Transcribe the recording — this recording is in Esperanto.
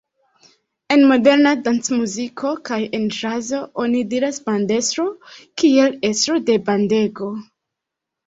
En moderna dancmuziko kaj en ĵazo oni diras bandestro kiel estro de bandego.